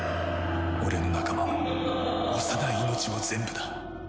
俺の仲間も幼い命も全部だ。